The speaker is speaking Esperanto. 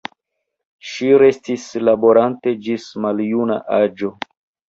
Ŝi restis laborante ĝis maljuna aĝo.